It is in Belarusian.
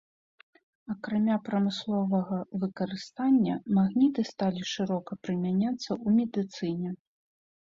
Акрамя прамысловага выкарыстання, магніты сталі шырока прымяняцца ў медыцыне.